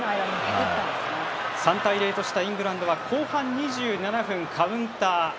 ３対０としたイングランドは後半２７分、カウンター。